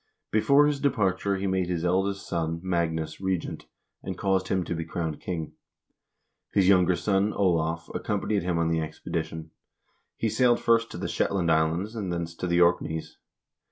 Before his departure he made his eldest son, Magnus, regent, and caused him to be crowned king. His younger son, Olav, accom panied him on the expedition. He sailed first to the Shetland Islands, and thence to the Orkneys.